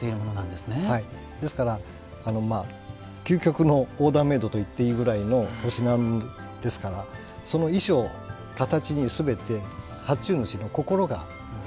ですから究極のオーダーメードと言っていいぐらいのお品ですからその意匠を形に全て発注主の心が映っています。